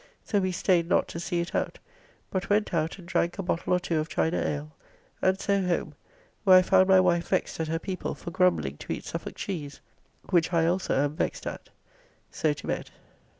So we staid not to see it out, but went out and drank a bottle or two of China ale, and so home, where I found my wife vexed at her people for grumbling to eat Suffolk cheese, which I also am vexed at. So to bed.